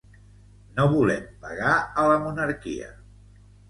No volem pagar a la Monarquia